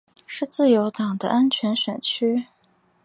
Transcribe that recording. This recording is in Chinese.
是自由党的安全选区。